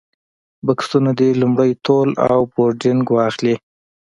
بکسونه دې لومړی تول او بورډنګ واخلي.